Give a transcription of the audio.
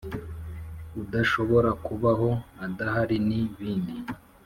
udashobora kubaho adahari ni bindi.